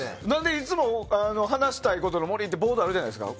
いつも話したいことの森ってボードあるじゃないですか。